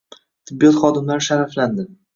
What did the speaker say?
Tibbiyot xodimlari sharaflandi